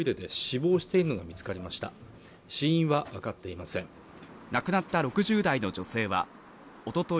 亡くなった６０代の女性はおととい